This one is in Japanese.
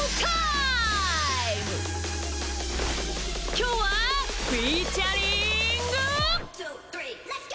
きょうはフィーチャリング！